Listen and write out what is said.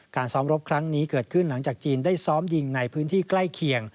ซ้อมรบครั้งนี้เกิดขึ้นหลังจากจีนได้ซ้อมยิงในพื้นที่ใกล้เคียง